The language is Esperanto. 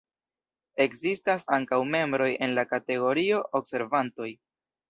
Ekzistas ankaŭ membroj en la kategorio 'observantoj'.